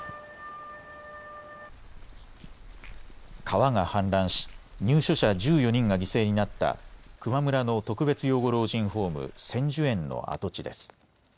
川が氾濫し入所者１４人が犠牲になった球磨村の特別養護老人ホーム、千寿園の跡地です。